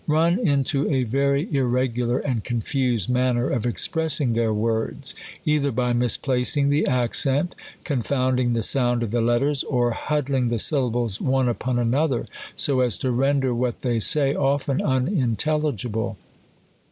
THE COLUMBIAN ORATOR. 10 afterwards, mn into a very irrcgukir and confused man ner of expressing their words; either by misplacing the accent, confounding the sound of the letters, or hud dling the syllables one upon another, so as to render what they say often unintelligible.